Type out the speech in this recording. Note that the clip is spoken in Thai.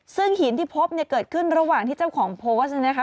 ซึ่งหินที่พบเกิดขึ้นระหว่างที่เจ้าของโพสต์